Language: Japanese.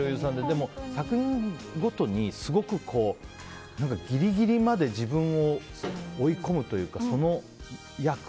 でも作品ごとにすごく、ギリギリまで自分を追い込むというかその役。